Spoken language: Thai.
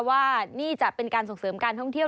ว่านี่จะเป็นการส่งเสริมการท่องเที่ยว